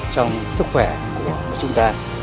trong sức khỏe của chúng ta